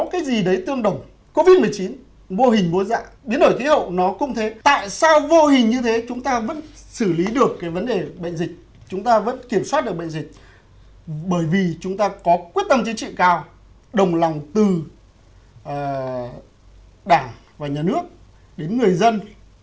có quyết tâm chính trị cao đồng lòng từ đảng và nhà nước đến người dân